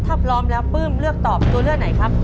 ถ้าพร้อมแล้วปลื้มเลือกตอบตัวเลือกไหนครับ